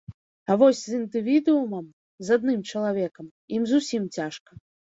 А вось з індывідуумам, з адным чалавекам ім зусім цяжка.